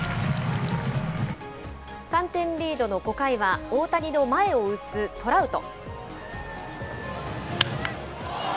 ３点リードの５回は、大谷の前を打つトラウト。